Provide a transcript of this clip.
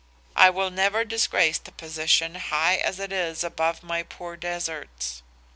I will never disgrace the position high as it is above my poor deserts.